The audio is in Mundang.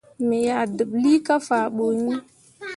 Me yah deɓlii kah faa ɓu iŋ.